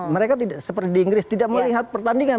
mereka tidak seperti di inggris tidak melihat pertandingan